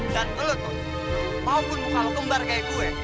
dan lu tuh maupun muka lu kembar kayak gua